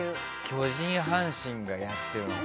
巨人・阪神がやってる。